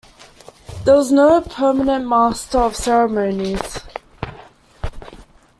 There was no permanent master of ceremonies.